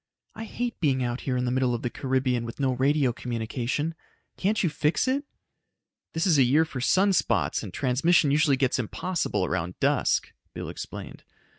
"I hate being out here in the middle of the Caribbean with no radio communication. Can't you fix it?" "This is a year for sun spots, and transmission usually gets impossible around dusk," Bill explained.